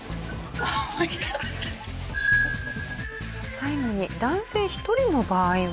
最後に男性１人の場合は。